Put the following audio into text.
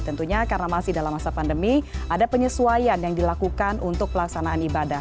tentunya karena masih dalam masa pandemi ada penyesuaian yang dilakukan untuk pelaksanaan ibadah